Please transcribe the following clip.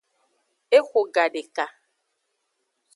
Eho gadeka.